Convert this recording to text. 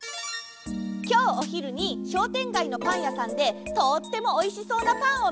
きょうおひるにしょうてんがいのパンやさんでとってもおいしそうなパンをみつけたの！